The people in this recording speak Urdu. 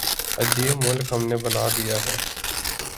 عجیب ملک ہم نے بنا دیا ہے۔